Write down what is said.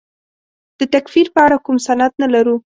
د تکفیر په اړه کوم سند نه لرو.